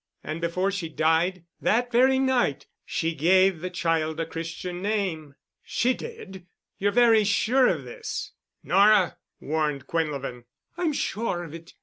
"And before she died—that very night—she gave the child a Christian name?" "She did." "You're very sure of this?" "Nora——!" warned Quinlevin. "I'm sure of it.